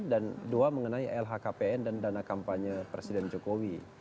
dan dua mengenai lhkpn dan dana kampanye presiden jokowi